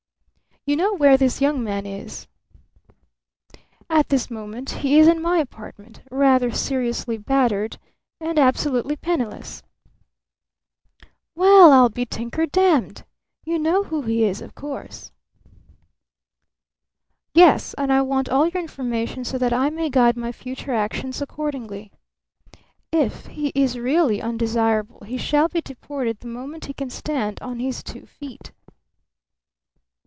"You know where this young man is?" "At this moment he is in my apartment, rather seriously battered and absolutely penniless." "Well, I'll be tinker dammed! You know who he is, of course?" "Yes. And I want all your information so that I may guide my future actions accordingly. If he is really undesirable he shall be deported the moment he can stand on his two feet."